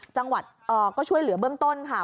จังหวัดก็ช่วยเหลือเบื้องต้นค่ะ